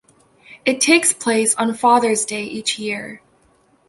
It takes place on Father's Day each year.